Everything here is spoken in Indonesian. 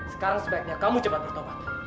sekarang sebaiknya kamu coba bertobat